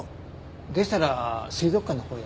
でしたら水族館のほうへ。